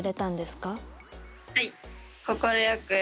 はい。